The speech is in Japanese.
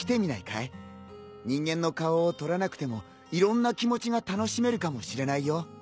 人間の顔を取らなくてもいろんな気持ちが楽しめるかもしれないよ。